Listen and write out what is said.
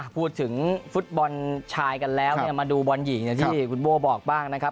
พูดถึงฟุตบอลชายกันแล้วเนี่ยมาดูบอลหญิงอย่างที่คุณโบ้บอกบ้างนะครับ